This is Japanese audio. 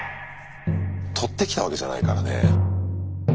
とってきたわけじゃないからね。